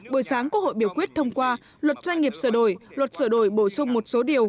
buổi sáng quốc hội biểu quyết thông qua luật doanh nghiệp sửa đổi luật sửa đổi bổ sung một số điều